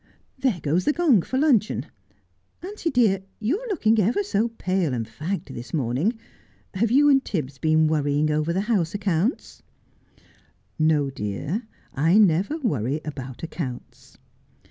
There goes the gong for luncheon. Auntie dear, you are locking ever so pale and fagged this morning. Have you and Tibbs been worrying over the house accounts ?'' No, dear, I never worry about accounts.'